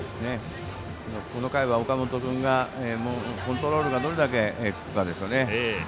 この回は岡本君がコントロールがどれだけつくかですね。